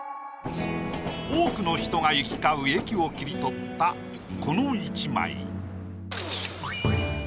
多くの人が行き交う駅を切り取ったこの一枚。